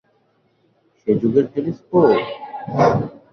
সে যুগের টেলিস্কোপ?